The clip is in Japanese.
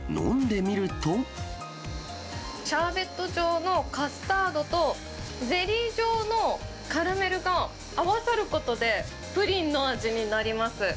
シャーベット状のカスタードと、ゼリー状のカラメルが合わさることで、プリンの味になります。